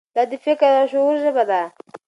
دا د فکر او شعور ژبه ده.